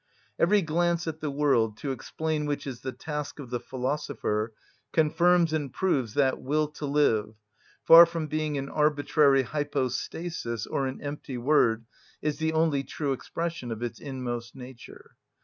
Every glance at the world, to explain which is the task of the philosopher, confirms and proves that will to live, far from being an arbitrary hypostasis or an empty word, is the only true expression of its inmost nature.